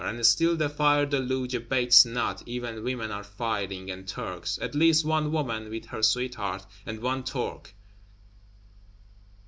And still the fire deluge abates not; even women are firing, and Turks; at least one woman (with her sweetheart), and one Turk.